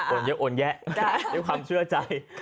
เยอะโอนแยะด้วยความเชื่อใจ